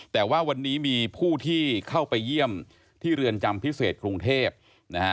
แต่ว่าวันนี้มีผู้ที่เข้าไปเยี่ยมที่เรือนจำพิเศษกรุงเทพนะฮะ